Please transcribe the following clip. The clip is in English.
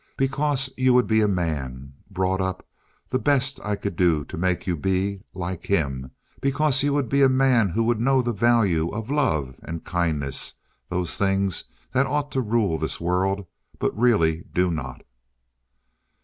Because you would be a man brought up, the best I could do to make you be like him because you would be a man who would know the value of love and kindness those things that ought to rule this world but really do not."